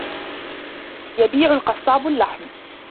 يَبِيعُ الْقَصّابُ اللَّحْمَ.